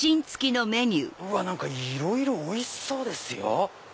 うわっ何かいろいろおいしそうですよ。